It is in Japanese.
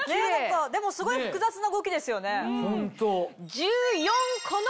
でもすごい複雑な動きですよね。